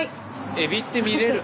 エビって見れる。